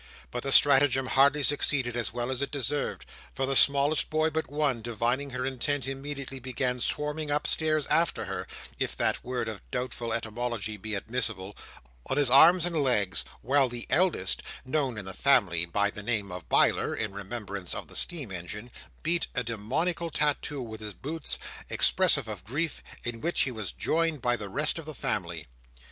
But the stratagem hardly succeeded as well as it deserved; for the smallest boy but one divining her intent, immediately began swarming upstairs after her—if that word of doubtful etymology be admissible—on his arms and legs; while the eldest (known in the family by the name of Biler, in remembrance of the steam engine) beat a demoniacal tattoo with his boots, expressive of grief; in which he was joined by the rest of the family.